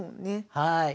はい。